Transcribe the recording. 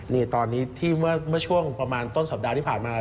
นี่ตอนนี้ที่เมื่อช่วงประมาณต้นสัปดาห์ที่ผ่านมา